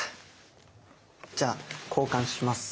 じゃあ交換します。